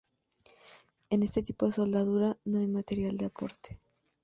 En este tipo de soldadura no hay material de aporte.